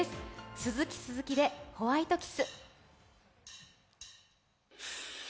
鈴木鈴木で「ホワイトキス」。